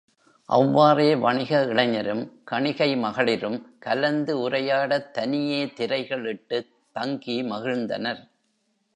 அவ்வாறே வணிக இளைஞரும், கணிகை மகளிரும் கலந்து உரையாடத் தனியே திரைகள் இட்டுத் தங்கி மகிழ்ந்தனர்.